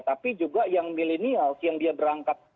tapi juga yang milenials yang dia berangkat